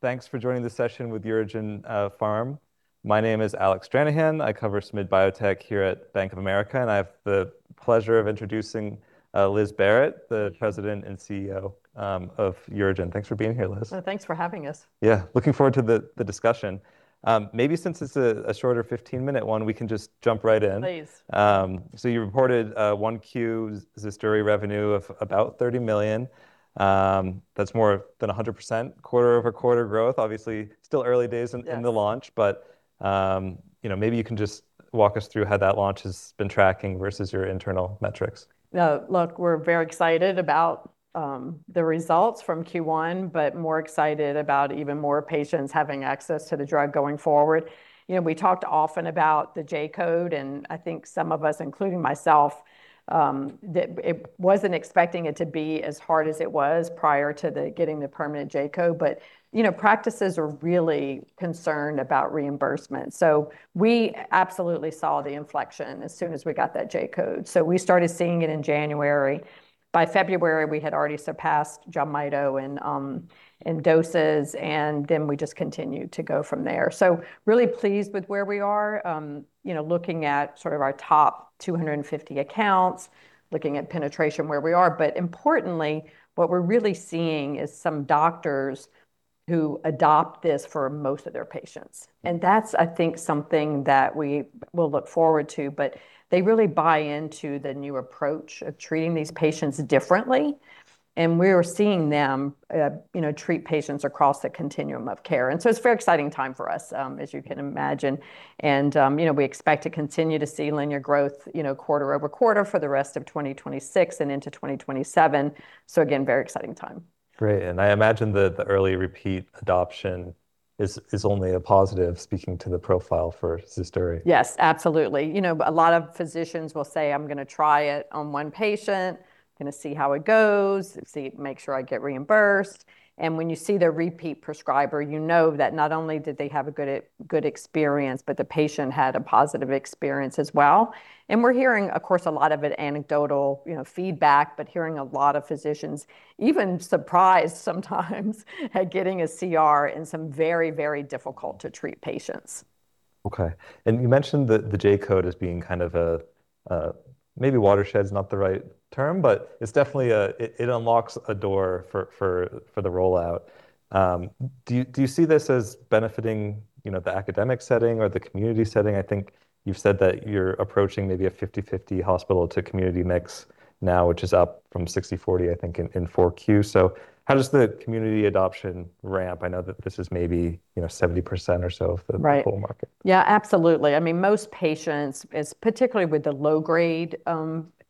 Thanks for joining the session with UroGen Pharma. My name is Alec Stranahan. I cover SMid Biotech here at Bank of America. I have the pleasure of introducing Liz Barrett, the president and CEO, of UroGen. Thanks for being here, Liz. Oh, thanks for having us. Yeah. Looking forward to the discussion. Maybe since it's a shorter 15-minute one, we can just jump right in. Please. You reported 1Q ZUSDURI revenue of about $30 million. That's more than 100% quarter-over-quarter growth. Yeah In the launch, but, you know, maybe you can just walk us through how that launch has been tracking versus your internal metrics. No. Look, we're very excited about the results from Q1, but more excited about even more patients having access to the drug going forward. You know, we talked often about the J-code, and I think some of us, including myself, that it wasn't expecting it to be as hard as it was prior to the getting the permanent J-code. You know, practices are really concerned about reimbursement. We absolutely saw the inflection as soon as we got that J-code. We started seeing it in January. By February, we had already surpassed JELMYTO in doses. We just continued to go from there. Really pleased with where we are. You know, looking at sort of our top 250 accounts, looking at penetration where we are. Importantly, what we're really seeing is some doctors who adopt this for most of their patients, and that's, I think, something that we will look forward to. They really buy into the new approach of treating these patients differently, and we're seeing them, you know, treat patients across the continuum of care. It's a very exciting time for us, as you can imagine. You know, we expect to continue to see linear growth, you know, quarter-over-quarter for the rest of 2026 and into 2027. Again, very exciting time. Great, I imagine that the early repeat adoption is only a positive speaking to the profile for ZUSDURI. Yes, absolutely. You know, a lot of physicians will say, "I'm gonna try it on one patient, I'm gonna see how it goes, see, make sure I get reimbursed." When you see the repeat prescriber, you know that not only did they have a good experience, but the patient had a positive experience as well. We're hearing, of course, a lot of it anecdotal, you know, feedback, but hearing a lot of physicians even surprised sometimes at getting a CR in some very, very difficult to treat patients. Okay. You mentioned the J-code as being kind of a, maybe watershed's not the right term, but it's definitely it unlocks a door for, for the rollout. Do you see this as benefiting, you know, the academic setting or the community setting? I think you've said that you're approaching maybe a 50/50 hospital to community mix now, which is up from 60/40, I think, in 4Q. How does the community adoption ramp? I know that this is maybe, you know, 70% or so of the total market. Yeah, absolutely. I mean, most patients, it's particularly with the low-grade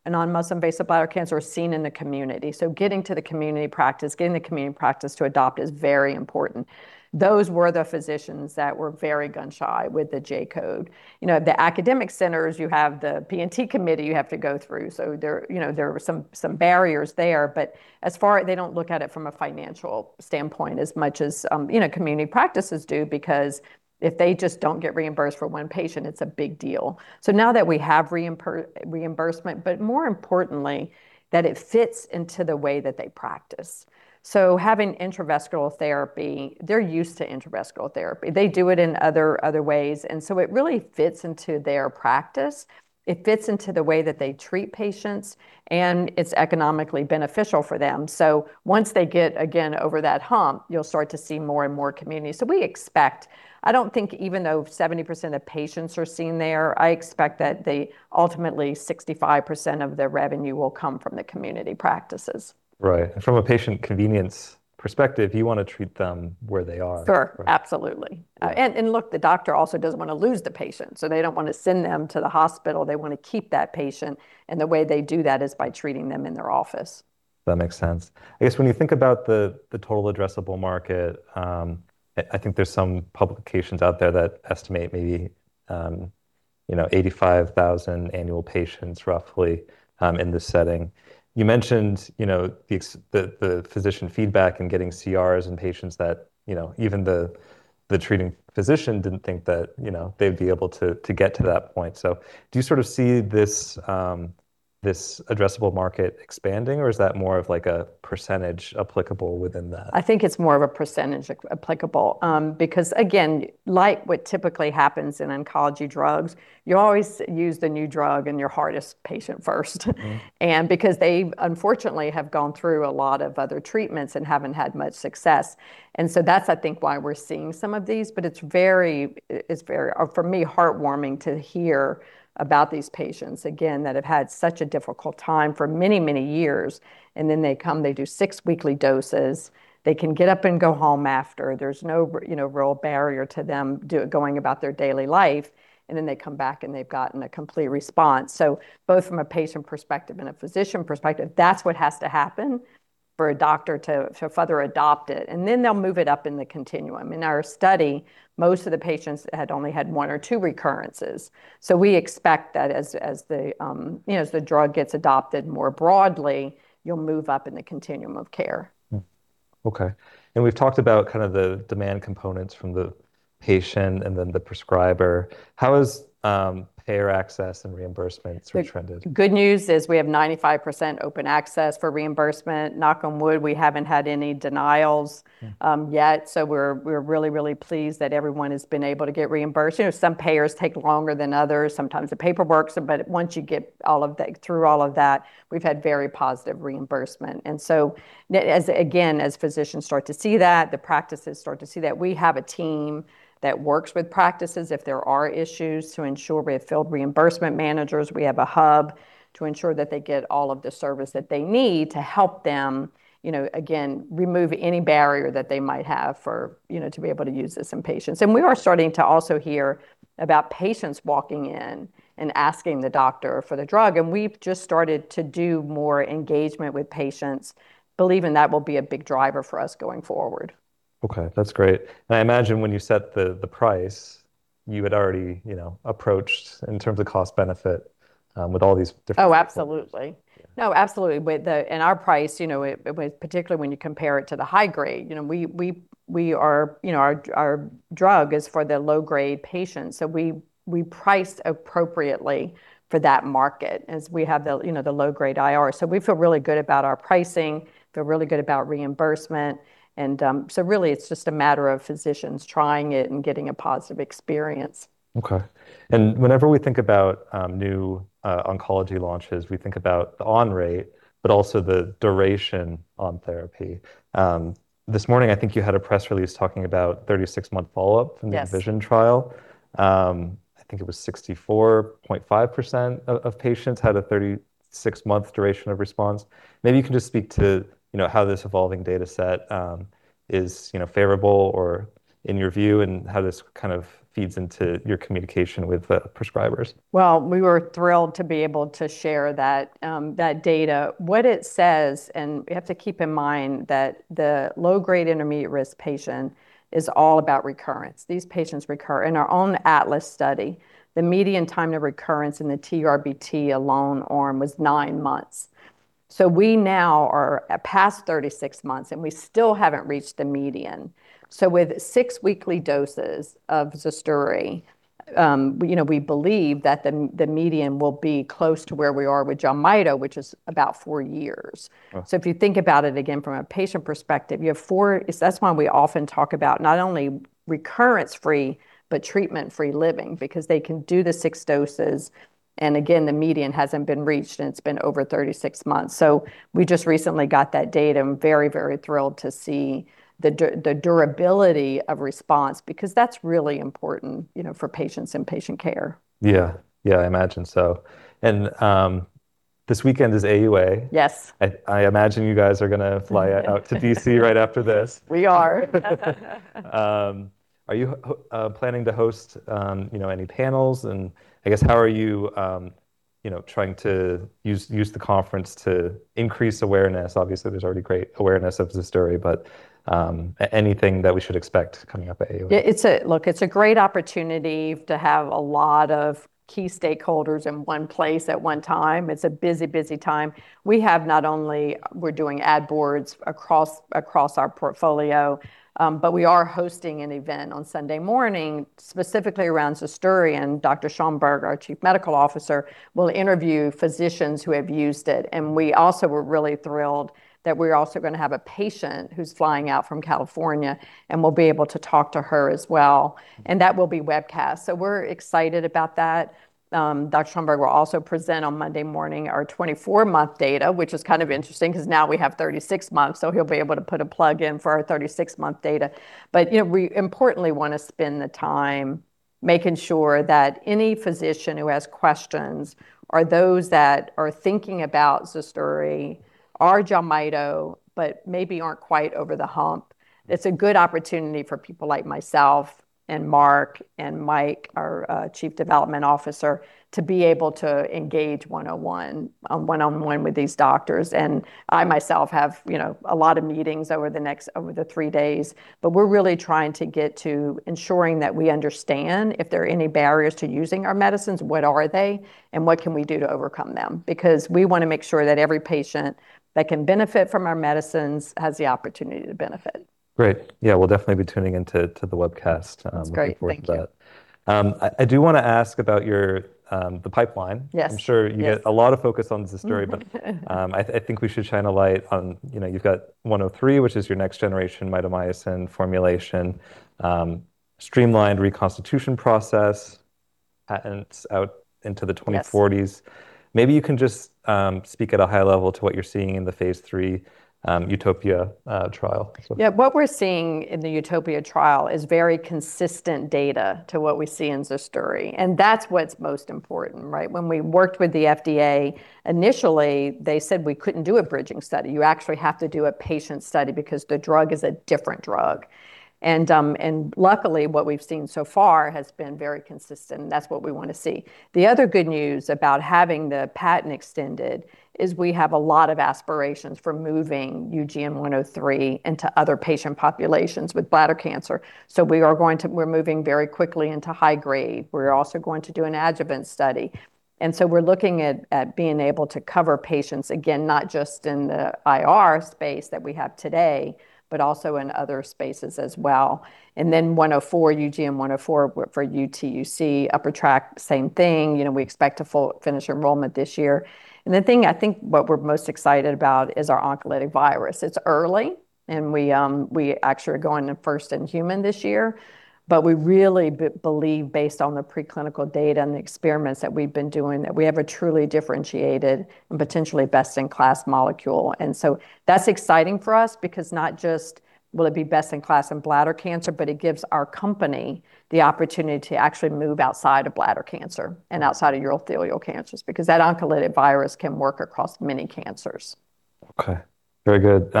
non-muscle invasive bladder cancer are seen in the community. Getting to the community practice, getting the community practice to adopt is very important. Those were the physicians that were very gun-shy with the J-code. You know, the academic centers, you have the P&T committee you have to go through, so there, you know, there are some barriers there. They don't look at it from a financial standpoint as much as, you know, community practices do because if they just don't get reimbursed for one patient, it's a big deal. Now that we have reimbursement, but more importantly, that it fits into the way that they practice. Having intravesical therapy, they're used to intravesical therapy. They do it in other ways, and so it really fits into their practice. It fits into the way that they treat patients, and it's economically beneficial for them. Once they get, again, over that hump, you'll start to see more and more communities. We expect I don't think even though 70% of patients are seen there, I expect that they ultimately 65% of their revenue will come from the community practices. Right. From a patient convenience perspective, you wanna treat them where they are. Sure. Absolutely. Look, the doctor also doesn't wanna lose the patient, so they don't wanna send them to the hospital. They wanna keep that patient, and the way they do that is by treating them in their office. That makes sense. I guess when you think about the total addressable market, I think there's some publications out there that estimate maybe, you know, 85,000 annual patients roughly, in this setting. You mentioned, you know, the physician feedback and getting CRs in patients that, you know, even the treating physician didn't think that, you know, they'd be able to get to that point. Do you sort of see this addressable market expanding, or is that more of like a percentage applicable within that? I think it's more of a percentage applicable, again, like what typically happens in oncology drugs, you always use the new drug in your hardest patient first. Because they, unfortunately, have gone through a lot of other treatments and haven't had much success. That's, I think, why we're seeing some of these, but it's very, or for me, heartwarming to hear about these patients, again, that have had such a difficult time for many, many years, and then they come, they do six weekly doses. They can get up and go home after. There's no you know, real barrier to them going about their daily life, and then they come back, and they've gotten a complete response. Both from a patient perspective and a physician perspective, that's what has to happen for a doctor to further adopt it, and then they'll move it up in the continuum. In our study, most of the patients had only had one or two recurrences. We expect that as the, you know, as the drug gets adopted more broadly, you'll move up in the continuum of care. Okay. We've talked about kind of the demand components from the patient and then the prescriber. How is payer access and reimbursements are trended? The good news is we have 95% open access for reimbursement. Knock on wood, we haven't had any denials yet. We're really, really pleased that everyone has been able to get reimbursed. You know, some payers take longer than others, sometimes the paperwork's, but once you get through all of that, we've had very positive reimbursement. Again, as physicians start to see that, the practices start to see that, we have a team that works with practices if there are issues to ensure. We have field reimbursement managers. We have a hub to ensure that they get all of the service that they need to help them, you know, again, remove any barrier that they might have for, you know, to be able to use this in patients. We are starting to also hear about patients walking in and asking the doctor for the drug, and we've just started to do more engagement with patients. Believing that will be a big driver for us going forward. Okay, that's great. I imagine when you set the price, you had already, you know, approached in terms of cost benefit. Oh, absolutely. No, absolutely. Our price, you know, it was particularly when you compare it to the high-grade, you know, we are, you know, our drug is for the low-grade patients, we priced appropriately for that market as we have the, you know, the low-grade IR. We feel really good about our pricing, feel really good about reimbursement. Really, it's just a matter of physicians trying it and getting a positive experience. Okay. Whenever we think about new oncology launches, we think about the on rate, but also the duration on therapy. This morning I think you had a press release talking about 36 month follow-up from. Yes VISION trial. I think it was 64.5% of patients had a 36 month duration of response. Maybe you can just speak to, you know, how this evolving data set is, you know, favorable or in your view, and how this kind of feeds into your communication with prescribers. We were thrilled to be able to share that data. What it says, and we have to keep in mind that the low-grade intermediate-risk patient is all about recurrence. These patients recur. In our own ATLAS study, the median time to recurrence in the TURBT alone arm was nine months. We now are at past 36 months, and we still haven't reached the median. With six weekly doses of ZUSDURI, you know, we believe that the median will be close to where we are with JELMYTO, which is about four years. Wow. If you think about it again from a patient perspective, That's why we often talk about not only recurrence free, but treatment free living because they can do the six doses, and again, the median hasn't been reached, and it's been over 36 months. We just recently got that data. I'm very, very thrilled to see the durability of response because that's really important, you know, for patients and patient care. Yeah. Yeah, I imagine so. This weekend is AUA. Yes. I imagine you guys are gonna fly out to D.C. right after this. We are. Are you planning to host, you know, any panels? I guess how are you know, trying to use the conference to increase awareness? Obviously, there's already great awareness of ZUSDURI, but anything that we should expect coming up at AUA? It's a Look, it's a great opportunity to have a lot of key stakeholders in one place at one time. It's a busy time. We're doing ad boards across our portfolio, but we are hosting an event on Sunday morning, specifically around ZUSDURI, and Dr. Mark P. Schoenberg, our Chief Medical Officer, will interview physicians who have used it. We also were really thrilled that we're also gonna have a patient who's flying out from California, and we'll be able to talk to her as well. That will be webcast. We're excited about that. Dr. Schoenberg will also present on Monday morning our 24-month data, which is kind of interesting 'cause now we have 36 months, so he'll be able to put a plug in for our 36-month data. You know, we importantly wanna spend the time making sure that any physician who has questions are those that are thinking about ZUSDURI or JELMYTO, but maybe aren't quite over the hump. Yeah. It's a good opportunity for people like myself and Mark and Mike, our Chief Development Officer, to be able to engage 101, one-on-one with these doctors. I, myself have, you know, a lot of meetings over the next, over the three days, but we're really trying to get to ensuring that we understand if there are any barriers to using our medicines, what are they, and what can we do to overcome them. We wanna make sure that every patient that can benefit from our medicines has the opportunity to benefit. Great. Yeah, we'll definitely be tuning into the webcast. It's great. Thank you. looking forward to that. I do wanna ask about your, the pipeline. Yes. Yes. I'm sure you get a lot of focus on ZUSDURI, but, I think we should shine a light on, you know, you've got UGN-103, which is your next generation mitomycin formulation, streamlined reconstitution process, patents out into the 2040s. Yes. Maybe you can just speak at a high level to what you're seeing in the phase III UTOPIA trial. What we're seeing in the UTOPIA trial is very consistent data to what we see in ZUSDURI, and that's what's most important, right? When we worked with the FDA, initially, they said we couldn't do a bridging study. You actually have to do a patient study because the drug is a different drug. Luckily, what we've seen so far has been very consistent, and that's what we wanna see. The other good news about having the patent extended is we have a lot of aspirations for moving UGN-103 into other patient populations with bladder cancer. We're moving very quickly into high-grade. We're also going to do an adjuvant study. We're looking at being able to cover patients, again, not just in the IR space that we have today, but also in other spaces as well. 104, UGN-104 for UTUC, upper tract, same thing. You know, we expect to full finish enrollment this year. I think what we're most excited about is our oncolytic virus. It's early, we actually are going in first in human this year, but we really believe based on the preclinical data and the experiments that we've been doing, that we have a truly differentiated and potentially best in class molecule. That's exciting for us because not just will it be best in class in bladder cancer, but it gives our company the opportunity to actually move outside of bladder cancer and outside of urothelial cancers, because that oncolytic virus can work across many cancers. Okay. Very good.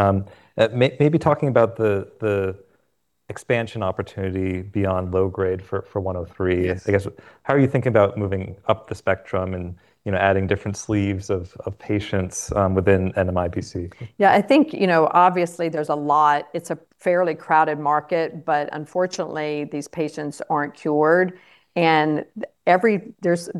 Maybe talking about the expansion opportunity beyond low-grade for UGN-103. Yes. I guess, how are you thinking about moving up the spectrum and, you know, adding different sleeves of patients, within NMIBC? I think, you know, obviously there's a lot. It's a fairly crowded market, but unfortunately these patients aren't cured, and there's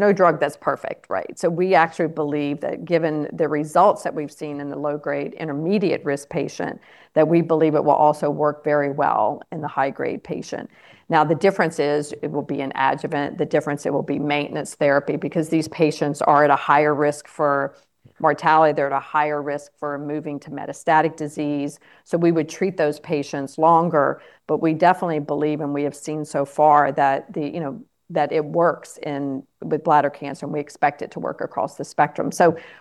no drug that's perfect, right? We actually believe that given the results that we've seen in the low-grade intermediate-risk patient, that we believe it will also work very well in the high-grade patient. Now, the difference is it will be an adjuvant. The difference, it will be maintenance therapy because these patients are at a higher risk for mortality. They're at a higher risk for moving to metastatic disease. We would treat those patients longer. We definitely believe, and we have seen so far that the, you know, that it works in, with bladder cancer, and we expect it to work across the spectrum.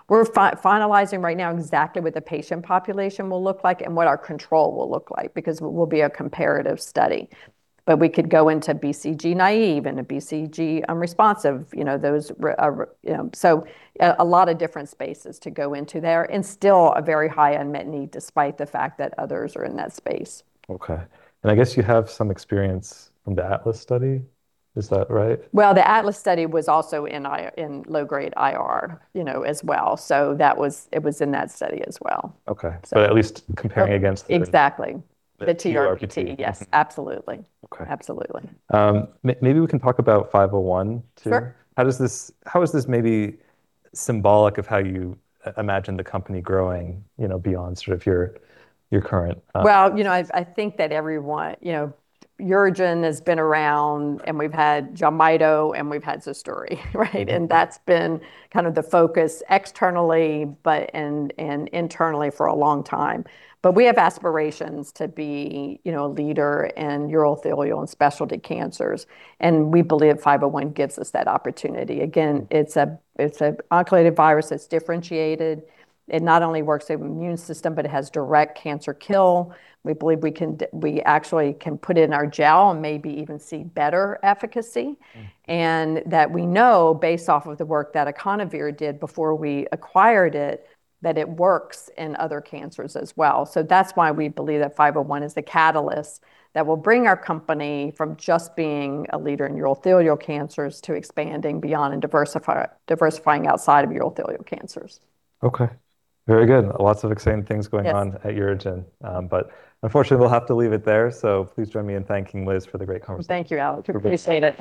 We're finalizing right now exactly what the patient population will look like and what our control will look like, because it will be a comparative study. We could go into BCG naive and a BCG unresponsive, you know. A lot of different spaces to go into there, and still a very high unmet need despite the fact that others are in that space. Okay. I guess you have some experience from the ATLAS study. Is that right? The ATLAS study was also in low-grade IR, you know, as well. It was in that study as well. Okay. So, At least comparing against Exactly. The TURBT. The TURBT. Yes, absolutely. Okay. Absolutely. Maybe we can talk about UGN-501 too. Sure. How is this maybe symbolic of how you imagine the company growing, you know, beyond sort of your current? Well, you know, I think that everyone, you know, UroGen has been around, and we've had JELMYTO, and we've had ZUSDURI, right? That's been kind of the focus externally and internally for a long time. We have aspirations to be, you know, a leader in urothelial and specialty cancers, and we believe UGN-501 gives us that opportunity. Again, it's an oncolytic virus that's differentiated. It not only works with immune system, but it has direct cancer kill. We believe we actually can put it in our gel and maybe even see better efficacy. That we know based off of the work that IconOVir Bio did before we acquired it, that it works in other cancers as well. That's why we believe that 501 is the catalyst that will bring our company from just being a leader in urothelial cancers to expanding beyond and diversifying outside of urothelial cancers. Okay. Very good. Lots of exciting things going on. Yes At UroGen. Unfortunately, we'll have to leave it there. Please join me in thanking Liz for the great conversation. Thank you, Alec. I appreciate it.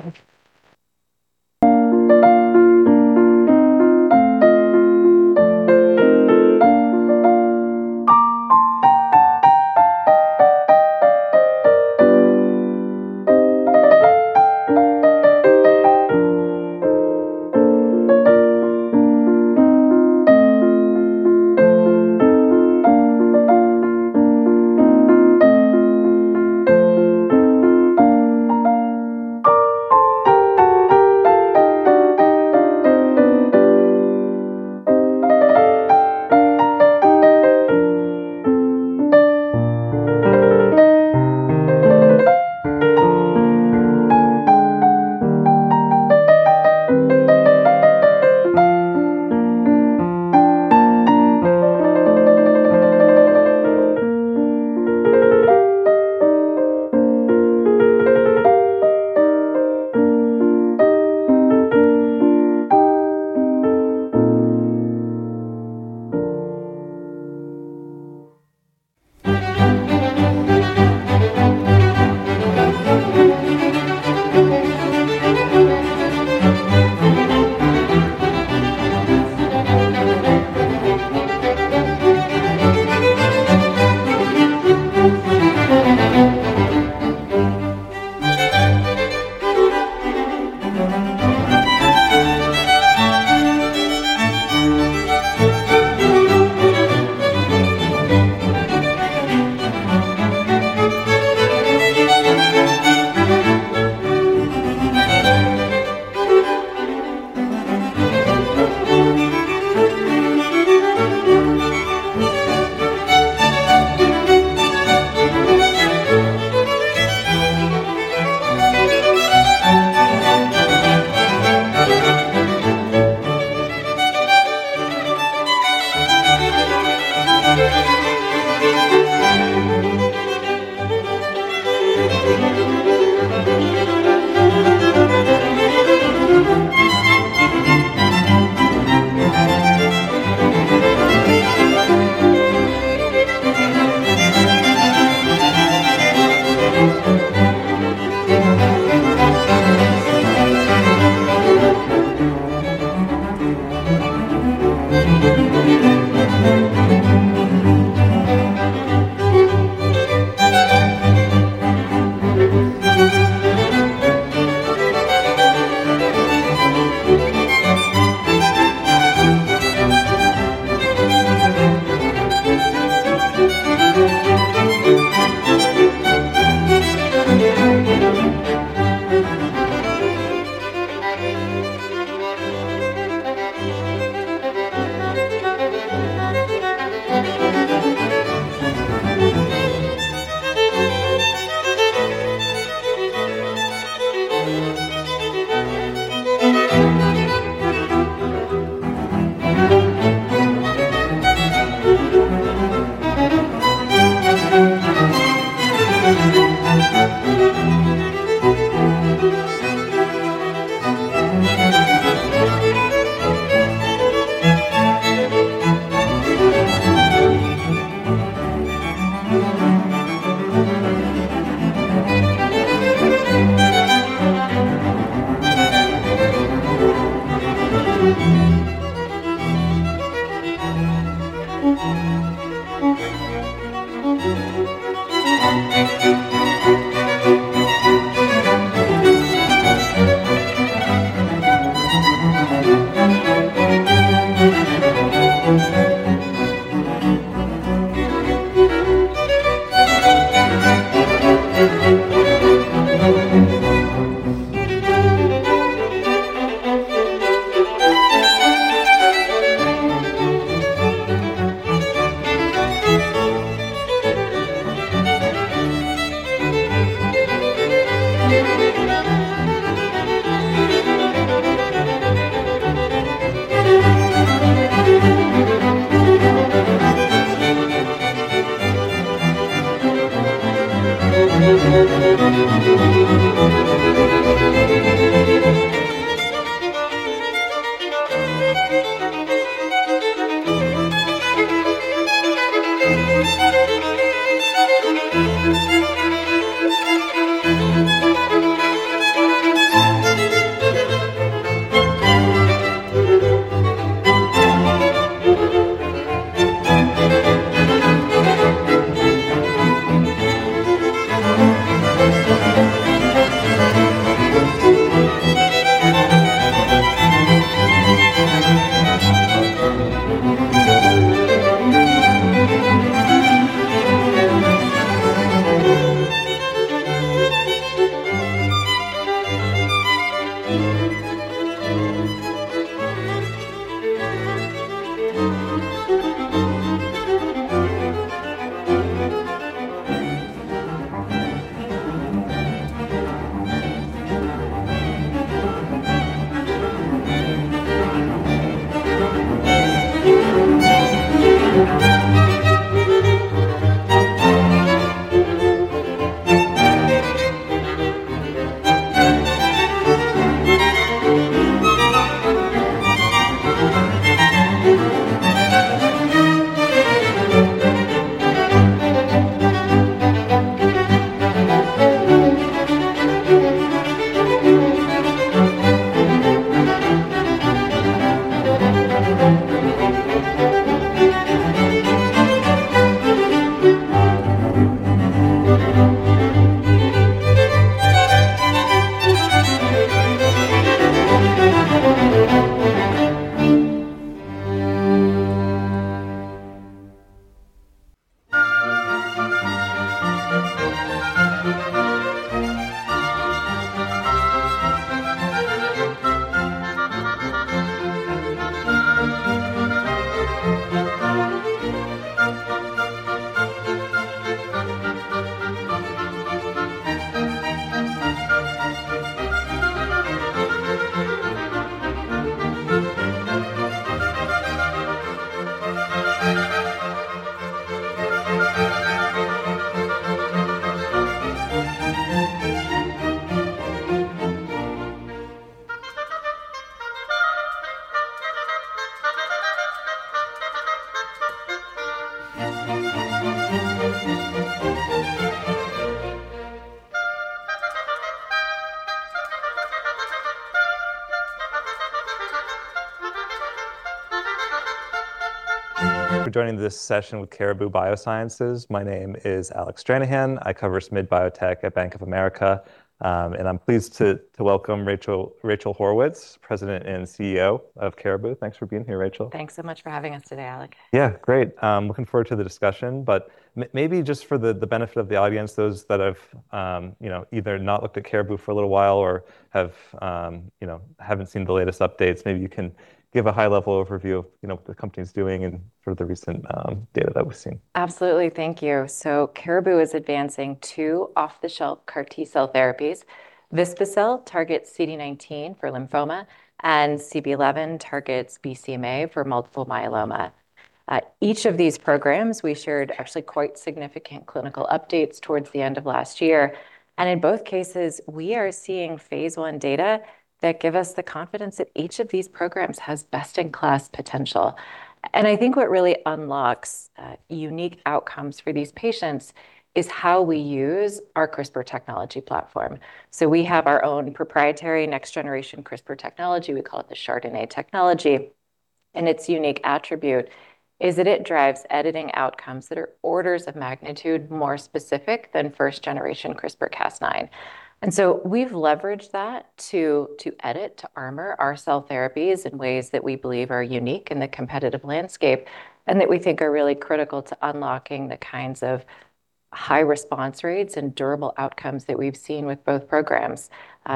Perfect. For joining this session with Caribou Biosciences. My name is Alec Stranahan. I cover SMid Biotech at Bank of America, and I'm pleased to welcome Rachel Haurwitz, President and CEO of Caribou. Thanks for being here, Rachel. Thanks so much for having us today, Alec. Yeah, great. Looking forward to the discussion, but maybe just for the benefit of the audience, those that have, you know, either not looked at Caribou for a little while or have, you know, haven't seen the latest updates, maybe you can give a high-level overview of, you know, what the company's doing and sort of the recent data that we've seen. Absolutely. Thank you. Caribou is advancing two off-the-shelf CAR T-cell therapies. vispa-cel targets CD19 for lymphoma, CB-011 targets BCMA for multiple myeloma. Each of these programs we shared actually quite significant clinical updates towards the end of last year, in both cases, we are seeing phase I data that give us the confidence that each of these programs has best in class potential. I think what really unlocks unique outcomes for these patients is how we use our CRISPR technology platform. We have our own proprietary next generation CRISPR technology, we call it the chRDNA technology, its unique attribute is that it drives editing outcomes that are orders of magnitude more specific than first generation CRISPR-Cas9. We've leveraged that to edit, to armor our cell therapies in ways that we believe are unique in the competitive landscape, and that we think are really critical to unlocking the kinds of high response rates and durable outcomes that we've seen with both programs.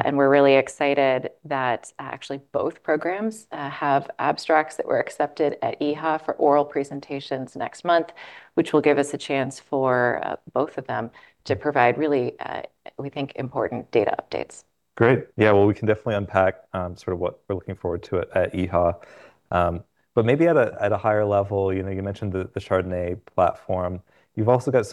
We're really excited that actually both programs have abstracts that were accepted at EHA for oral presentations next month, which will give us a chance for both of them to provide really, we think, important data updates. Great. Yeah. Well, we can definitely unpack, sort of what we're looking forward to at EHA. Maybe at a, at a higher level, you know, you mentioned the chRDNA platform. You've also got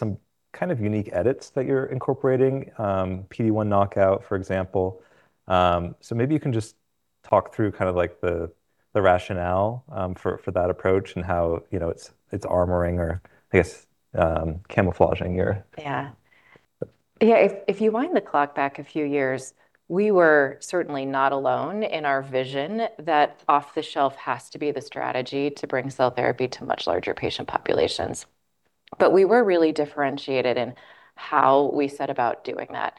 Kind of unique edits that you're incorporating, PD-1 knockout, for example. Maybe you can just talk through kind of like the rationale, for that approach and how, you know, it's armoring or I guess, camouflaging your cells. Yeah, if you wind the clock back a few years, we were certainly not alone in our vision that off-the-shelf has to be the strategy to bring cell therapy to much larger patient populations. We were really differentiated in how we set about doing that.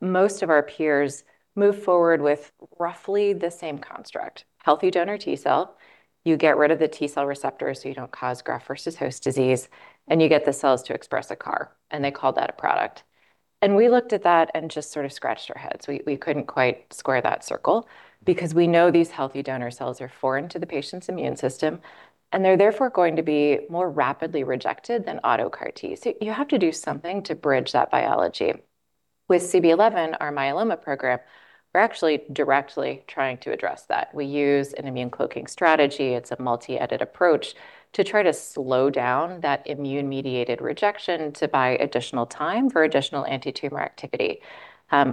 Most of our peers moved forward with roughly the same construct. Healthy donor T cell, you get rid of the T cell receptor so you don't cause graft versus host disease, and you get the cells to express a CAR, and they call that a product. We looked at that and just sort of scratched our heads. We couldn't quite square that circle because we know these healthy donor cells are foreign to the patient's immune system, and they're therefore going to be more rapidly rejected than auto CAR Ts. You have to do something to bridge that biology. With CB-011, our myeloma program, we're actually directly trying to address that. We use an immune cloaking strategy, it's a multi-edit approach, to try to slow down that immune-mediated rejection to buy additional time for additional anti-tumor activity.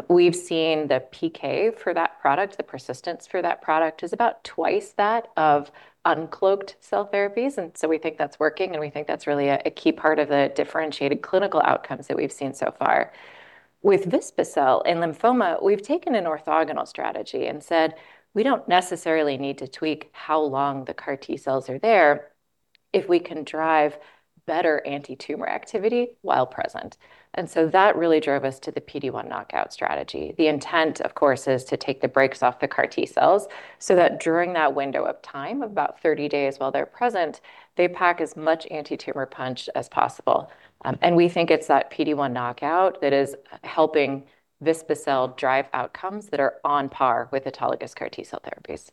We've seen the PK for that product, the persistence for that product is about twice that of uncloaked cell therapies, we think that's working, and we think that's really a key part of the differentiated clinical outcomes that we've seen so far. With vispa-cel in lymphoma, we've taken an orthogonal strategy and said, "We don't necessarily need to tweak how long the CAR T cells are there if we can drive better anti-tumor activity while present." That really drove us to the PD-1 knockout strategy. The intent, of course, is to take the brakes off the CAR T cells so that during that window of time, about 30 days while they're present, they pack as much anti-tumor punch as possible. We think it's that PD-1 knockout that is helping vispa-cel drive outcomes that are on par with autologous CAR T cell therapies.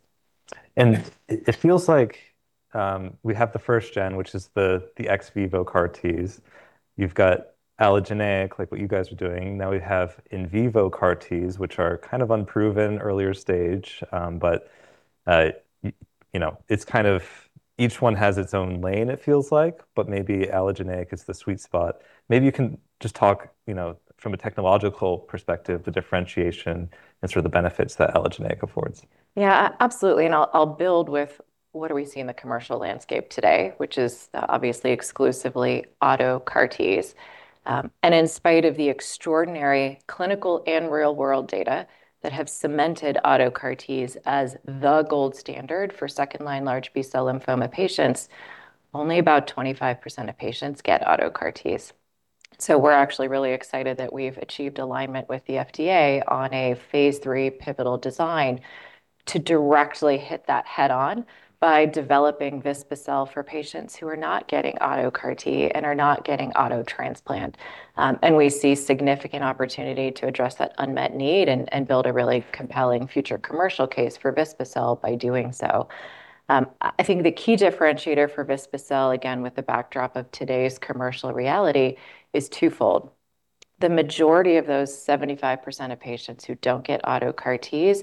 It feels like, we have the first-gen, which is the ex vivo CAR Ts. You've got allogeneic, like what you guys are doing. Now we have in vivo CAR Ts, which are kind of unproven, earlier stage. you know, it's kind of each one has its own lane it feels like, but maybe allogeneic is the sweet spot. Maybe you can just talk, you know, from a technological perspective, the differentiation and sort of the benefits that allogeneic affords. Yeah, absolutely, and I'll build with what do we see in the commercial landscape today, which is obviously exclusively auto CAR Ts. In spite of the extraordinary clinical and real world data that have cemented auto CAR Ts as the gold standard for second-line large B-cell lymphoma patients, only about 25% of patients get auto CAR Ts. We're actually really excited that we've achieved alignment with the FDA on a phase III pivotal design to directly hit that head-on by developing vispa-cel for patients who are not getting auto CAR T and are not getting auto transplant. We see significant opportunity to address that unmet need and build a really compelling future commercial case for vispa-cel by doing so. I think the key differentiator for vispa-cel, again, with the backdrop of today's commercial reality, is twofold. The majority of those 75% of patients who don't get auto CAR Ts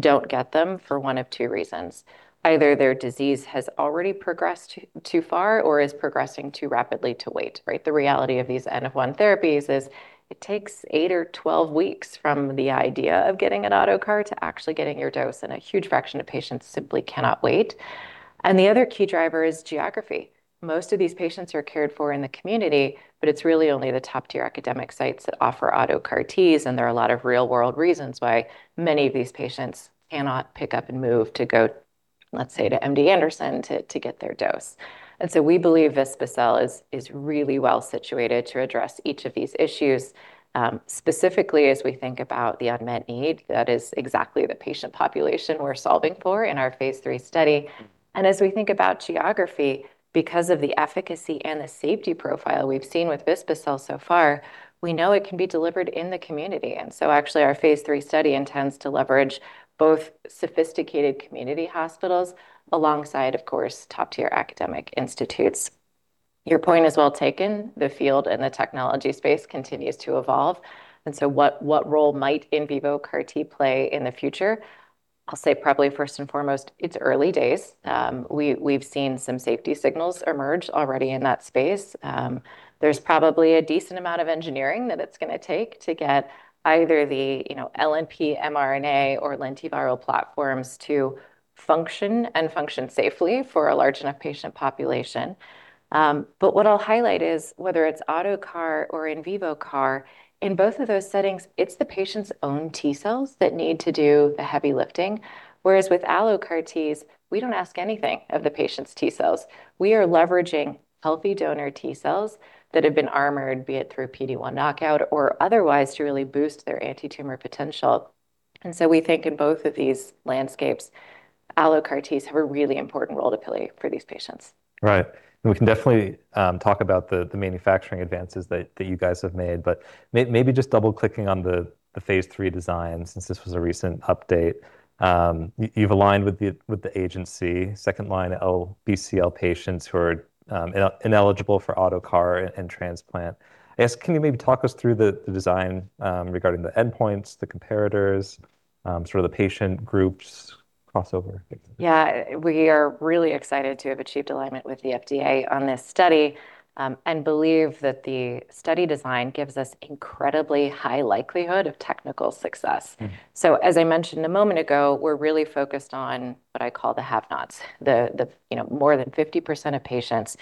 don't get them for one of two reasons. Either their disease has already progressed too far or is progressing too rapidly to wait. The reality of these N-of-1 therapies is it takes 8 or 12 weeks from the idea of getting an auto CAR to actually getting your dose, and a huge fraction of patients simply cannot wait. The other key driver is geography. Most of these patients are cared for in the community, but it's really only the top-tier academic sites that offer auto CAR Ts, and there are a lot of real-world reasons why many of these patients cannot pick up and move to go, let's say, to MD Anderson to get their dose. We believe vispa-cel is really well situated to address each of these issues, specifically as we think about the unmet need, that is exactly the patient population we're solving for in our phase III study. As we think about geography, because of the efficacy and the safety profile we've seen with vispa-cel so far, we know it can be delivered in the community. Actually our phase III study intends to leverage both sophisticated community hospitals alongside, of course, top-tier academic institutes. Your point is well taken. The field and the technology space continues to evolve, what role might in vivo CAR T play in the future? I'll say probably first and foremost, it's early days. We've seen some safety signals emerge already in that space. There's probably a decent amount of engineering that it's gonna take to get either the, you know, LNP, mRNA, or lentiviral platforms to function and function safely for a large enough patient population. What I'll highlight is whether it's auto CAR or in vivo CAR, in both of those settings, it's the patient's own T cells that need to do the heavy lifting. Whereas with allo CAR Ts, we don't ask anything of the patient's T cells. We are leveraging healthy donor T cells that have been armored, be it through PD-1 knockout or otherwise to really boost their anti-tumor potential. We think in both of these landscapes, allo CAR Ts have a really important role to play for these patients. Right. We can definitely talk about the manufacturing advances that you guys have made, but maybe just double-clicking on the phase III design since this was a recent update. You've aligned with the agency, 2nd line LBCL patients who are ineligible for auto CAR and transplant. I guess can you maybe talk us through the design regarding the endpoints, the comparators, sort of the patient groups? We are really excited to have achieved alignment with the FDA on this study and believe that the study design gives us incredibly high likelihood of technical success. As I mentioned a moment ago, we're really focused on what I call the have-nots, you know, more than 50% of patients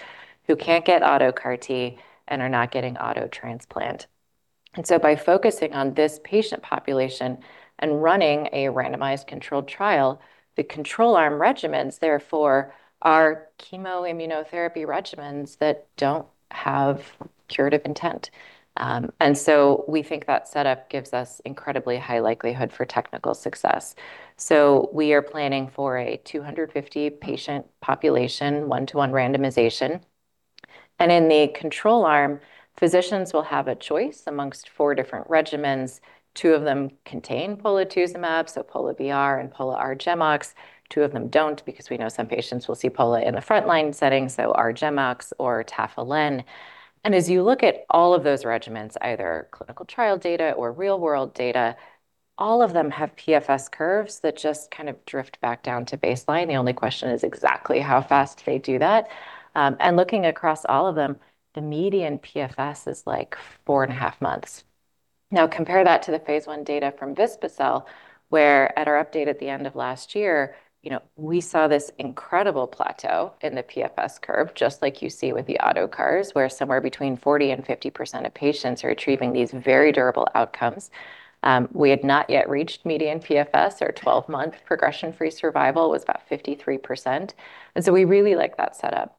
who can't get auto CAR T and are not getting auto transplant. By focusing on this patient population and running a randomized controlled trial, the control arm regimens therefore are chemo immunotherapy regimens that don't have curative intent. We think that setup gives us incredibly high likelihood for technical success. We are planning for a 250 patient population, one-to-one randomization. In the control arm, physicians will have a choice amongst four different regimens. Two of them contain polatuzumab, so pola-BR and Pola-R-GemOx. Two of them don't because we know some patients will see polatuzumab in a frontline setting, so R-GemOx or tafasitamab. As you look at all of those regimens, either clinical trial data or real world data, all of them have PFS curves that just kind of drift back down to baseline. The only question is exactly how fast they do that. Looking across all of them, the median PFS is like 4.5 months. Now compare that to the phase I data from vispa-cel, where at our update at the end of last year, You know, we saw this incredible plateau in the PFS curve, just like you see with the auto CAR T, where somewhere between 40% and 50% of patients are achieving these very durable outcomes. We had not yet reached median PFS, or 12-month progression-free survival was about 53%. We really like that setup.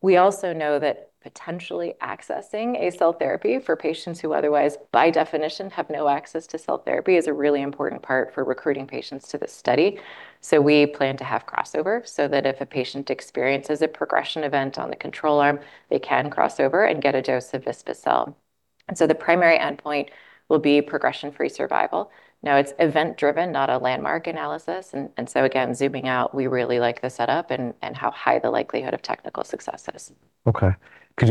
We also know that potentially accessing a cell therapy for patients who otherwise by definition have no access to cell therapy is a really important part for recruiting patients to this study. We plan to have crossover so that if a patient experiences a progression event on the control arm, they can cross over and get a dose of vispa-cel. The primary endpoint will be progression-free survival. Now it's event driven, not a landmark analysis. Again, zooming out, we really like the setup and how high the likelihood of technical success is. Okay. That's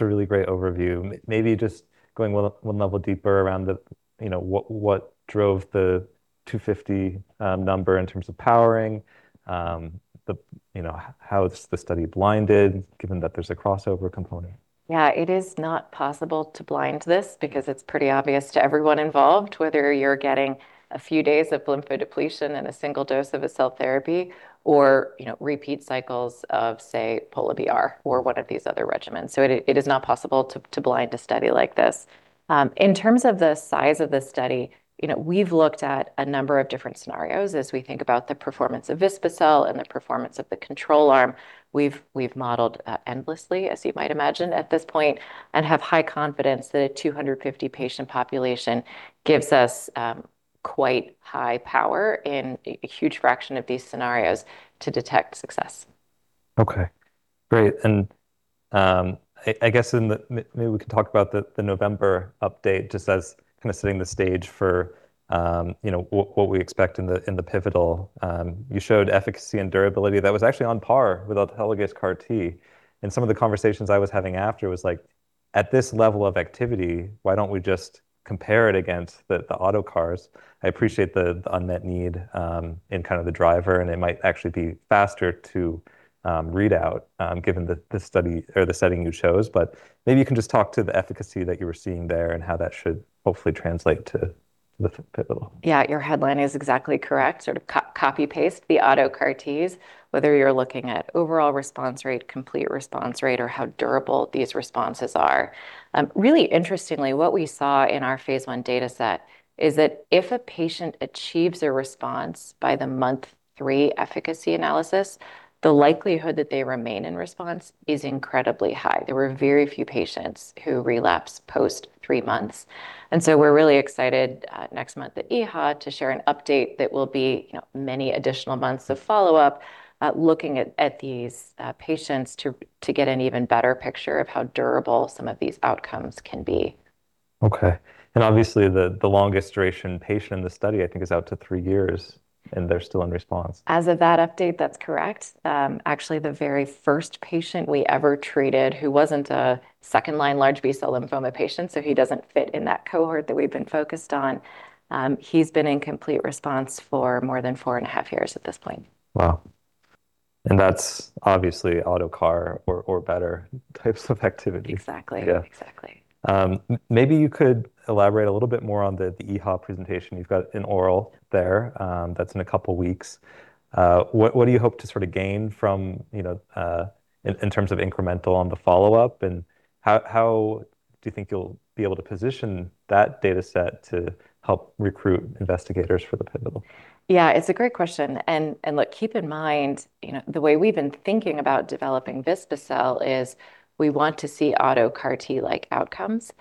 a really great overview. Maybe just going one level deeper around the, you know, what drove the 250 number in terms of powering. You know, how is the study blinded given that there's a crossover component? Yeah. It is not possible to blind this because it's pretty obvious to everyone involved whether you're getting a few days of lymphodepletion and a single dose of a cell therapy or, you know, repeat cycles of, say, pola-BR or one of these other regimens. It is not possible to blind a study like this. In terms of the size of the study, You know, we've looked at a number of different scenarios as we think about the performance of vispa-cel and the performance of the control arm. We've modeled endlessly, as you might imagine at this point, and have high confidence that a 250 patient population gives us quite high power in a huge fraction of these scenarios to detect success. Okay. Great. I guess in the maybe we can talk about the November update just as kind of setting the stage for, you know, what we expect in the pivotal. You showed efficacy and durability that was actually on par with autologous CAR T. Some of the conversations I was having after was like, at this level of activity, why don't we just compare it against the auto CARs? I appreciate the unmet need, in kind of the driver, and it might actually be faster to read out, given the study or the setting you chose. Maybe you can just talk to the efficacy that you were seeing there and how that should hopefully translate to the pivotal. Your headline is exactly correct, sort of co-copy paste the auto CAR Ts, whether you're looking at overall response rate, complete response rate, or how durable these responses are. Really interestingly, what we saw in our phase I data set is that if a patient achieves a respo nse by the month 3 efficacy analysis, the likelihood that they remain in response is incredibly high. There were very few patients who relapsed post 3 months, we're really excited next month at EHA to share an update that will be, you know, many additional months of follow-up looking at these patients to get an even better picture of how durable some of these outcomes can be. Okay. Obviously, the longest duration patient in the study, I think, is out to three years, and they're still in response. As of that update, that's correct. Actually, the very first patient we ever treated who wasn't a 2nd-line large B-cell lymphoma patient, so he doesn't fit in that cohort that we've been focused on, he's been in complete response for more than four and a half years at this point. Wow. That's obviously CAR T or better types of activity. Exactly. Yeah. Exactly. Maybe you could elaborate a little bit more on the EHA presentation. You've got an oral there, that's in a couple of weeks. What do you hope to sort of gain from, you know, in terms of incremental on the follow-up? How do you think you'll be able to position that data set to help recruit investigators for the pivotal? Yeah. It's a great question. Look, keep in mind, you know, the way we've been thinking about developing Vispa-cel is we want to see auto CAR T-like outcomes.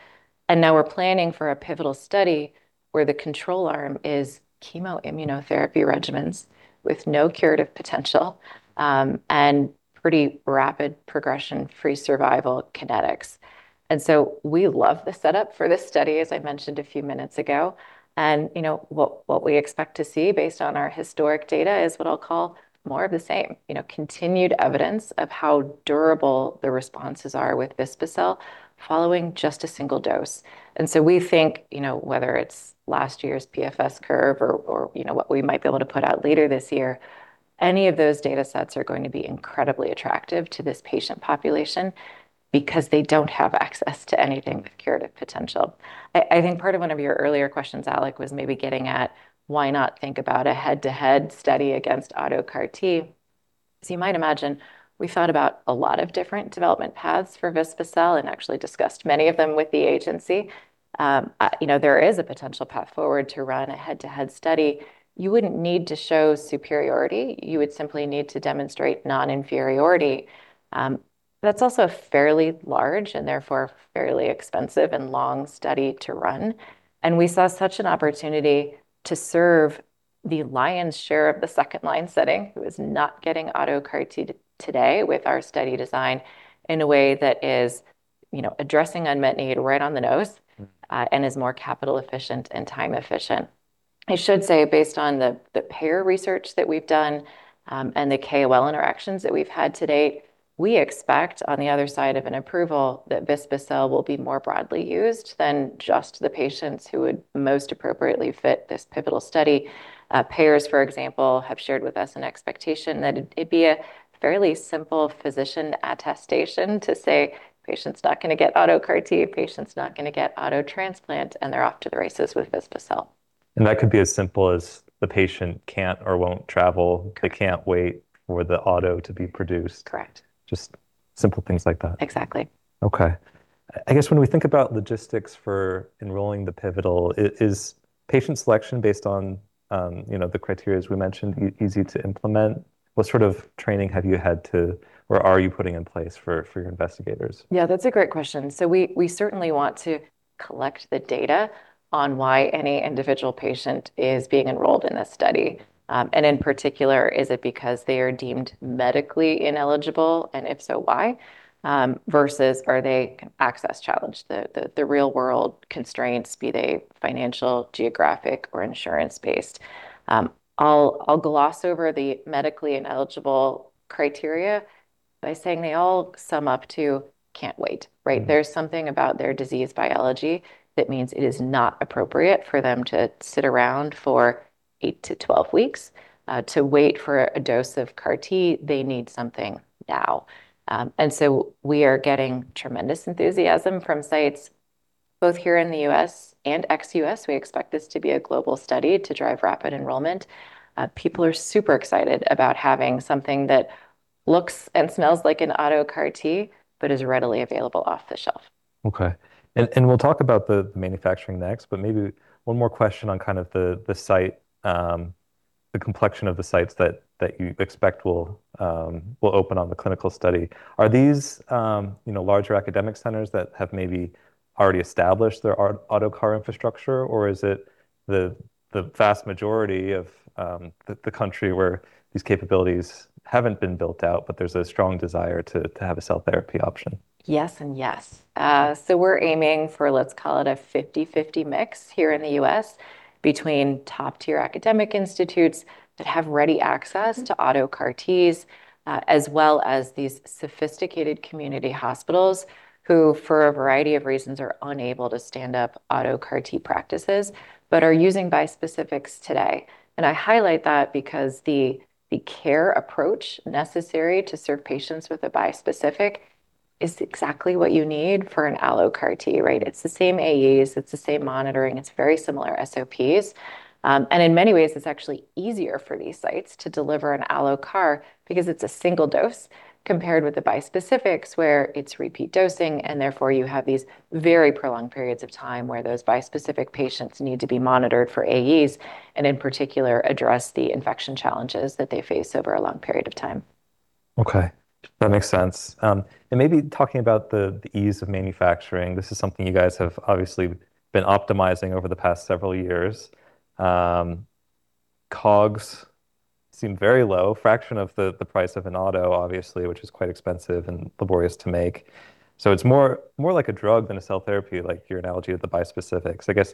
Now we're planning for a pivotal study where the control arm is chemo immunotherapy regimens with no curative potential and pretty rapid progression-free survival kinetics. We love the setup for this study, as I mentioned a few minutes ago. You know, what we expect to see based on our historic data is what I'll call more of the same. You know, continued evidence of how durable the responses are with Vispacel following just a single dose. We think, whether it's last year's PFS curve or what we might be able to put out later this year. Any of those data sets are going to be incredibly attractive to this patient population because they don't have access to anything with curative potential. I think part of one of your earlier questions, Alec, was maybe getting at why not think about a head-to-head study against auto CAR T. As you might imagine, we thought about a lot of different development paths for vispa-cel and actually discussed many of them with the agency. There is a potential path forward to run a head-to-head study. You wouldn't need to show superiority, you would simply need to demonstrate non-inferiority. That's also fairly large and therefore fairly expensive and long study to run. We saw such an opportunity to serve the lion's share of the second line setting, who is not getting auto CAR T today with our study design, in a way that is, you know, addressing unmet need right on the nose. Is more capital efficient and time efficient. I should say based on the payer research that we've done, and the KOL interactions that we've had to date, we expect on the other side of an approval that vispa-cel will be more broadly used than just the patients who would most appropriately fit this pivotal study. Payers, for example, have shared with us an expectation that it'd be a fairly simple physician attestation to say, "Patient's not gonna get auto CAR-T, patient's not gonna get auto transplant," and they're off to the races with vispa-cel. That could be as simple as the patient can't or won't travel. Correct. They can't wait for the auto to be produced. Correct. Just simple things like that. Exactly. Okay. I guess when we think about logistics for enrolling the pivotal, is patient selection based on, you know, the criteria as we mentioned, easy to implement? What sort of training have you had to or are you putting in place for your investigators? Yeah, that's a great question. We certainly want to collect the data on why any individual patient is being enrolled in this study. In particular, is it because they are deemed medically ineligible? If so, why? Versus are they access challenged, the real world constraints, be they financial, geographic, or insurance-based. I'll gloss over the medically ineligible criteria by saying they all sum up to can't wait, right? There's something about their disease biology that means it is not appropriate for them to sit around for 8 to 12 weeks to wait for a dose of CAR T. They need something now. We are getting tremendous enthusiasm from sites both here in the U.S. and ex-U.S. We expect this to be a global study to drive rapid enrollment. People are super excited about having something that looks and smells like an auto CAR T, but is readily available off the shelf. Okay. We'll talk about the manufacturing next, but maybe one more question on kind of the site, the complexion of the sites that you expect will open on the clinical study. Are these, you know, larger academic centers that have maybe already established their auto CAR infrastructure, or is it the vast majority of the country where these capabilities haven't been built out, but there's a strong desire to have a cell therapy option? Yes, yes. We're aiming for, let's call it a 50/50 mix here in the U.S. between top-tier academic institutes that have ready access to auto CAR Ts, as well as these sophisticated community hospitals who, for a variety of reasons, are unable to stand up auto CAR T practices but are using bispecifics today. I highlight that because the care approach necessary to serve patients with a bispecific is exactly what you need for an allo CAR T, right? It's the same AEs, it's the same monitoring, it's very similar SOPs. In many ways, it's actually easier for these sites to deliver an allo CAR because it's a single dose compared with the bispecifics where it's repeat dosing, and therefore you have these very prolonged periods of time where those bispecific patients need to be monitored for AEs, and in particular address the infection challenges that they face over a long period of time. Okay. That makes sense. Maybe talking about the ease of manufacturing, this is something you guys have obviously been optimizing over the past several years. COGS seem very low, fraction of the price of an auto obviously, which is quite expensive and laborious to make. It's more like a drug than a cell therapy, like your analogy of the bispecifics. I guess,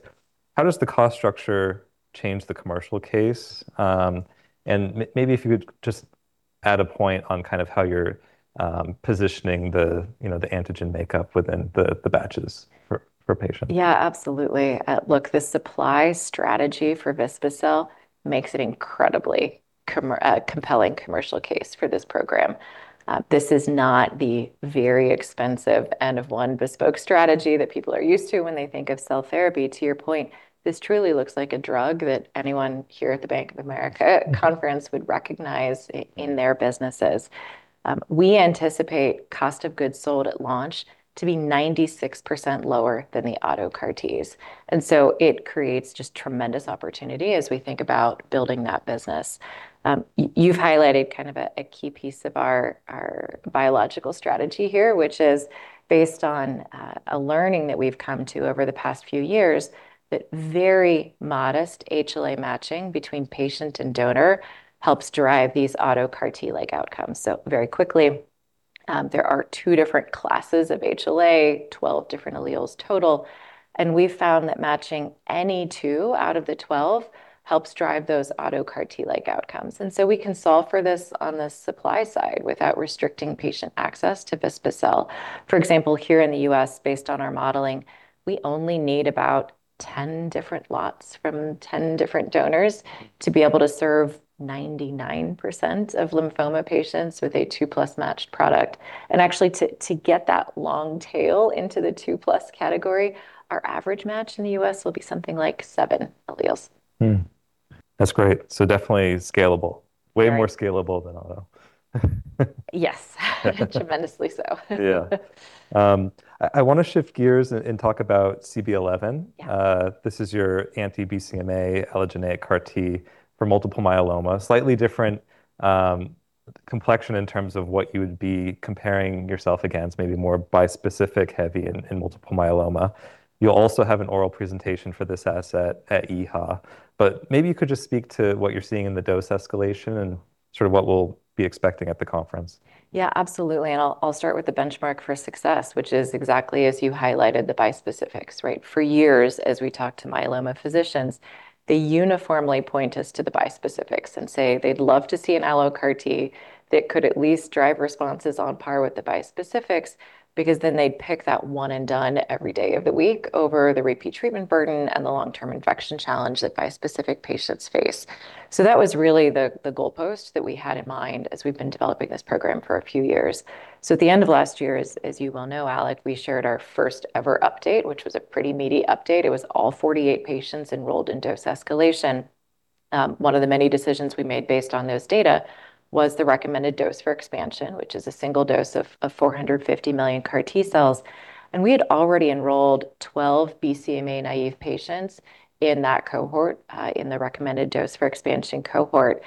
how does the cost structure change the commercial case? Maybe if you could just add a point on kind of how you're positioning the, you know, the antigen makeup within the batches for patients. Yeah, absolutely. Look, the supply strategy for vispa-cel makes an incredibly compelling commercial case for this program. This is not the very expensive end of 1 bespoke strategy that people are used to when they think of cell therapy. To your point, this truly looks like a drug that anyone here at the Bank of America conference would recognize in their businesses. We anticipate cost of goods sold at launch to be 96% lower than the auto CAR Ts, it creates just tremendous opportunity as we think about building that business. You've highlighted kind of a key piece of our biological strategy here, which is based on a learning that we've come to over the past few years that very modest HLA matching between patient and donor helps drive these auto CAR T-like outcomes. Very quickly, there are two different classes of HLA, 12 different alleles total, and we've found that matching any two out of the 12 helps drive those auto CAR T-like outcomes. We can solve for this on the supply side without restricting patient access to vispa-cel. For example, here in the U.S., based on our modeling, we only need about 10 different lots from 10 different donors to be able to serve 99% of lymphoma patients with a 2+ matched product. Actually, to get that long tail into the 2+ category, our average match in the U.S. will be something like 7 alleles. That's great. Definitely scalable. Right. Way more scalable than auto. Yes. Tremendously so. Yeah. I want to shift gears and talk about CB-011. Yeah. This is your anti-BCMA allogeneic CAR T for multiple myeloma. Slightly different complexion in terms of what you would be comparing yourself against, maybe more bispecific heavy in multiple myeloma. You also have an oral presentation for this asset at EHA. Maybe you could just speak to what you're seeing in the dose escalation and sort of what we'll be expecting at the conference. Absolutely. I'll start with the benchmark for success, which is exactly as you highlighted, the bispecifics, right? For years, as we talked to myeloma physicians, they uniformly point us to the bispecifics and say they'd love to see an allo CAR T that could at least drive responses on par with the bispecifics because then they'd pick that one and done every day of the week over the repeat treatment burden and the long-term infection challenge that bispecific patients face. That was really the goalpost that we had in mind as we've been developing this program for a few years. At the end of last year, as you well know, Alec, we shared our first ever update, which was a pretty meaty update. It was all 48 patients enrolled in dose escalation. One of the many decisions we made based on those data was the recommended dose for expansion, which is a single dose of 450 million CAR T cells. We had already enrolled 12 BCMA naive patients in that cohort, in the recommended dose for expansion cohort.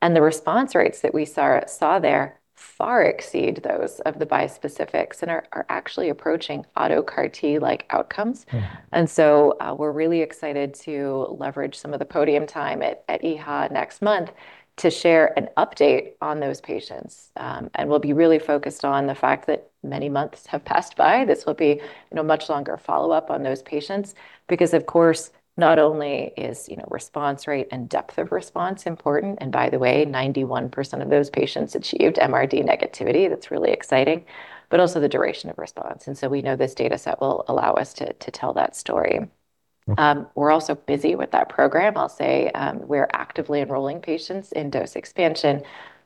The response rates that we saw there far exceed those of the bispecifics and are actually approaching auto CAR T like outcomes. We're really excited to leverage some of the podium time at EHA next month to share an update on those patients. We'll be really focused on the fact that many months have passed by. This will be, you know, much longer follow-up on those patients because, of course, not only is, you know, response rate and depth of response important, and by the way, 91% of those patients achieved MRD negativity, that's really exciting, but also the duration of response. We know this data set will allow us to tell that story. Okay. We're also busy with that program. I'll say, we're actively enrolling patients in dose expansion.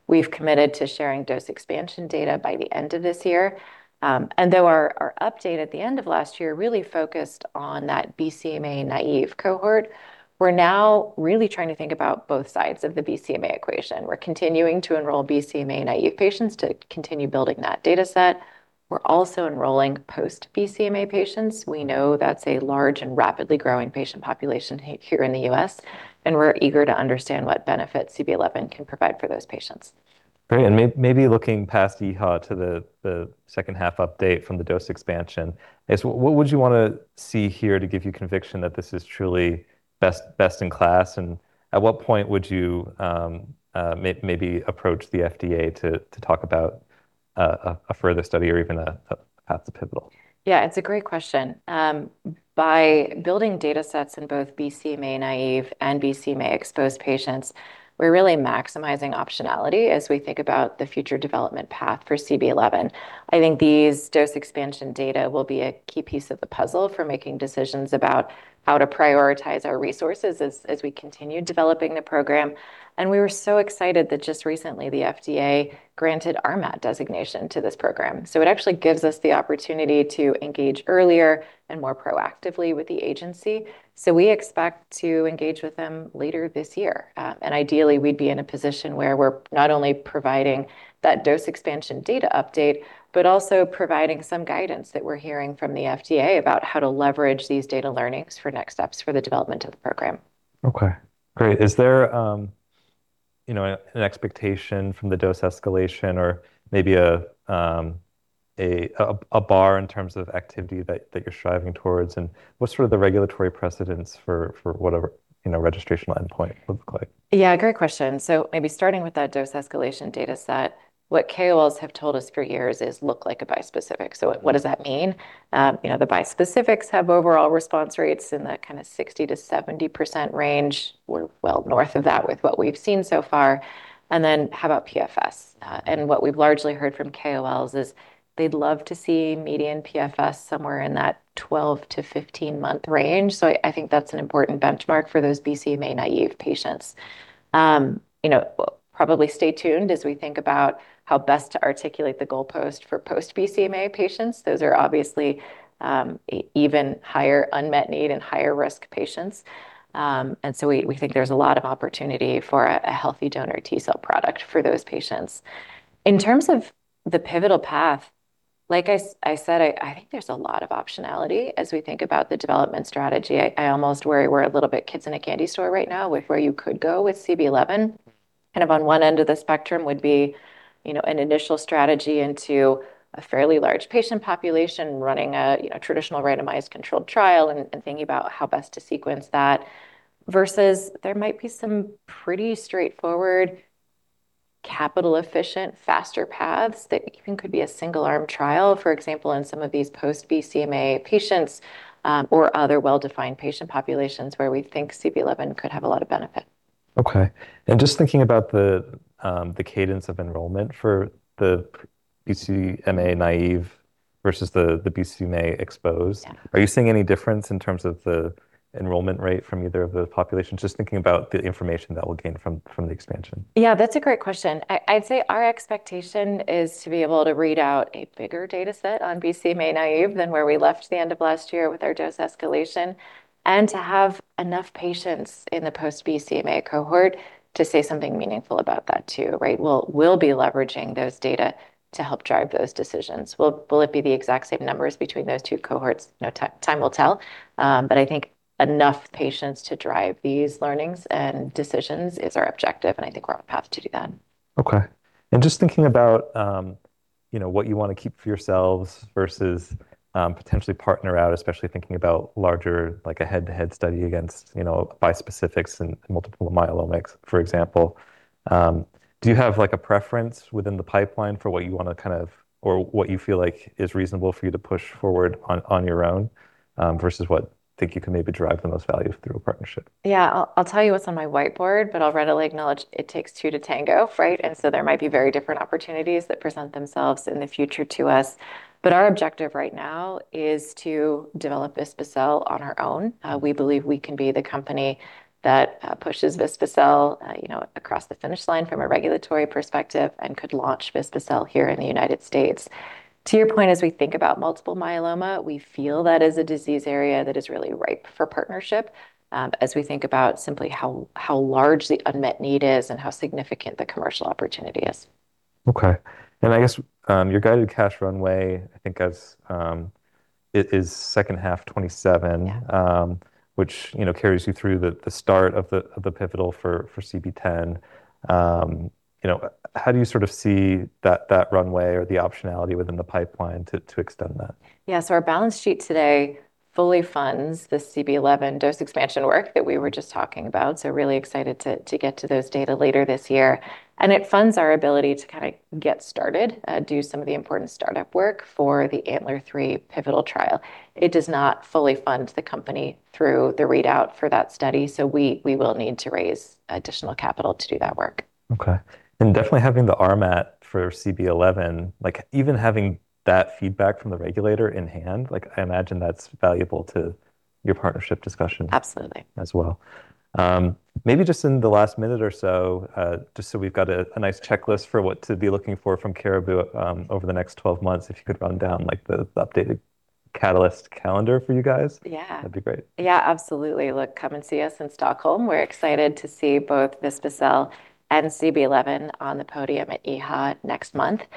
We've committed to sharing dose expansion data by the end of this year. Though our update at the end of last year really focused on that BCMA naive cohort, we're now really trying to think about both sides of the BCMA equation. We're continuing to enroll BCMA naive patients to continue building that data set. We're also enrolling post BCMA patients. We know that's a large and rapidly growing patient population here in the U.S., and we're eager to understand what benefit CB-011 can provide for those patients. Great. Maybe looking past EHA to the second half update from the dose expansion, I guess, what would you wanna see here to give you conviction that this is truly best in class? At what point would you maybe approach the FDA to talk about a further study or even a path to pivotal? Yeah, it's a great question. By building data sets in both BCMA naive and BCMA exposed patients, we're really maximizing optionality as we think about the future development path for CB-011. I think these dose expansion data will be a key piece of the puzzle for making decisions about how to prioritize our resources as we continue developing the program. We were so excited that just recently the FDA granted RMAT designation to this program. It actually gives us the opportunity to engage earlier and more proactively with the agency. We expect to engage with them later this year. Ideally, we'd be in a position where we're not only providing that dose expansion data update, but also providing some guidance that we're hearing from the FDA about how to leverage these data learnings for next steps for the development of the program. Okay. Great. Is there, you know, an expectation from the dose escalation or maybe a bar in terms of activity that you're striving towards? What's sort of the regulatory precedence for whatever, you know, registration endpoint look like? Yeah, great question. Maybe starting with that dose escalation data set, what KOLs have told us for years is look like a bispecific. What does that mean? You know, the bispecifics have overall response rates in that kind of 60% to 70% range. We're well north of that with what we've seen so far. How about PFS? What we've largely heard from KOLs is they'd love to see median PFS somewhere in that 12 to 15-month range. I think that's an important benchmark for those BCMA naive patients. You know, probably stay tuned as we think about how best to articulate the goalpost for post BCMA patients. Those are obviously, even higher unmet need and higher risk patients. We think there's a lot of opportunity for a healthy donor T cell product for those patients. In terms of the pivotal path, like I said, I think there's a lot of optionality as we think about the development strategy. I almost worry we're a little bit kids in a candy store right now with where you could go with CB-011. Kind of on one end of the spectrum would be, you know, an initial strategy into a fairly large patient population running a, you know, traditional randomized controlled trial and thinking about how best to sequence that versus there might be some pretty straightforward capital efficient, faster paths that even could be a single arm trial, for example, in some of these post BCMA patients, or other well-defined patient populations where we think CB-011 could have a lot of benefit. Okay. Just thinking about the cadence of enrollment for the BCMA naive versus the BCMA exposed. Yeah. Are you seeing any difference in terms of the enrollment rate from either of the populations? Just thinking about the information that we'll gain from the expansion. Yeah, that's a great question. I'd say our expectation is to be able to read out a bigger data set on BCMA naive than where we left the end of last year with our dose escalation, and to have enough patients in the post-BCMA cohort to say something meaningful about that too, right? We'll be leveraging those data to help drive those decisions. Will it be the exact same numbers between those two cohorts? You know, time will tell. I think enough patients to drive these learnings and decisions is our objective, and I think we're on path to do that. Okay. Just thinking about, you know, what you wanna keep for yourselves versus potentially partner out, especially thinking about larger like a head-to-head study against, you know, bispecifics in multiple myeloma, for example. Do you have like a preference within the pipeline for what you wanna kind of or what you feel like is reasonable for you to push forward on your own, versus what think you can maybe derive the most value through a partnership? Yeah. I'll tell you what's on my whiteboard, but I'll readily acknowledge it takes two to tango, right? There might be very different opportunities that present themselves in the future to us. Our objective right now is to develop vispa-cel on our own. We believe we can be the company that pushes vispa-cel, you know, across the finish line from a regulatory perspective and could launch vispa-cel here in the U.S. To your point, as we think about multiple myeloma, we feel that is a disease area that is really ripe for partnership, as we think about simply how large the unmet need is and how significant the commercial opportunity is. Okay. I guess, your guided cash runway, I think as, it is second half 2027. Yeah Which, you know, carries you through the start of the pivotal for CB-010. You know, how do you sort of see that runway or the optionality within the pipeline to extend that? Yeah. Our balance sheet today fully funds the CB-011 dose expansion work that we were just talking about, so really excited to get to those data later this year. It funds our ability to kinda get started, do some of the important startup work for the ANTLER 3 pivotal trial. It does not fully fund the company through the readout for that study, so we will need to raise additional capital to do that work. Okay. Definitely having the RMAT for CB-011, like even having that feedback from the regulator in hand, like I imagine that's valuable to your partnership discussion. Absolutely As well. Maybe just in the last minute or so, just so we've got a nice checklist for what to be looking for from Caribou, over the next 12 months, if you could run down like the updated catalyst calendar for you guys. Yeah. That'd be great. Yeah, absolutely. Look, come and see us in Stockholm. We're excited to see both vispa-cel and CB-011 on the podium at EHA next month.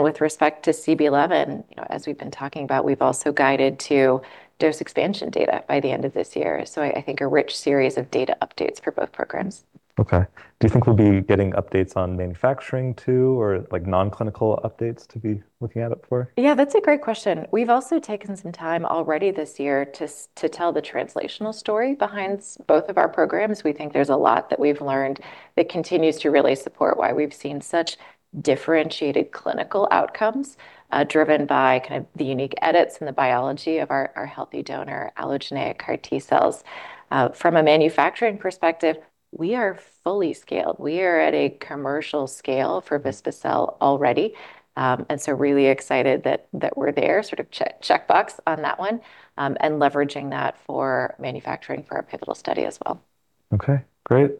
With respect to CB-011, you know, as we've been talking about, we've also guided to dose expansion data by the end of this year. I think a rich series of data updates for both programs. Okay. Do you think we'll be getting updates on manufacturing too, or like non-clinical updates to be looking out for? Yeah, that's a great question. We've also taken some time already this year to tell the translational story behind both of our programs. We think there's a lot that we've learned that continues to really support why we've seen such differentiated clinical outcomes, driven by kind of the unique edits and the biology of our healthy donor allogeneic CAR T cells. From a manufacturing perspective, we are fully scaled. We are at a commercial scale for vispa-cel already. Really excited that we're there, sort of checkbox on that one, and leveraging that for manufacturing for our pivotal study as well. Okay, great.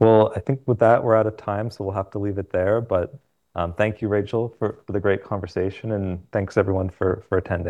Well, I think with that, we're out of time, so we'll have to leave it there. Thank you, Rachel, for the great conversation, and thanks everyone for attending.